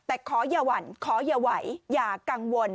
แต่ขออย่าหวั่นขออย่าไหวอย่ากังวล